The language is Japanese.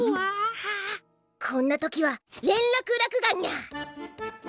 こんな時は連絡落雁にゃ。